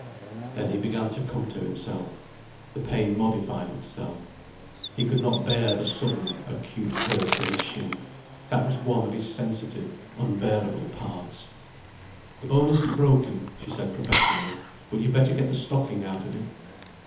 Then he began to come to himself. The pain modified itself. He could not bear the sudden acute hurt to his shin. That was one of his sensitive, unbearable parts. "The bone isn't broken," she said professionally. "But you'd better get the stocking out of it."